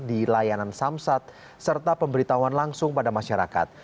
di layanan samsat serta pemberitahuan langsung pada masyarakat